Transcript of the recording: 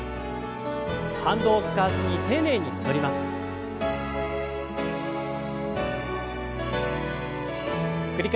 反動を使わずに丁寧に戻ります。